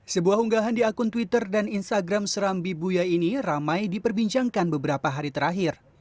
sebuah unggahan di akun twitter dan instagram serambi buya ini ramai diperbincangkan beberapa hari terakhir